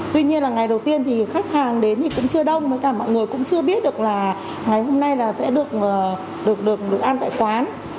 tuy nhiên là ngày đầu tiên thì khách hàng đến thì cũng chưa đông mọi người cũng chưa biết được là ngày hôm nay sẽ được ăn tại quán